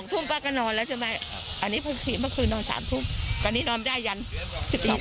ก็ตีสองทุ่มก็ก็นอนแล้วใช่ไหมอันนี้เมื่อกี้เมื่อคืนนอนสามทุ่มอันนี้นอนไม่ได้ยันสิบอีก